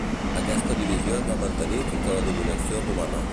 Aquesta divisió es va mantenir fins a la dominació romana.